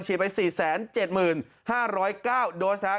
ไป๔๗๕๐๙โดสนะครับ